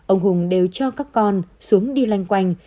ông hùng đều cho các con xuống đi lanh quanh